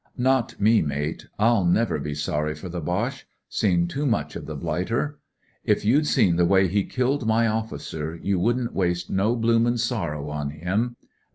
" Not me, mate. I'll never be sorry for the Boche. Seen too much of the blighter. If you'd seen the way he killed my officer, you wouldn't waste no bloomin' sorrow ^ on him.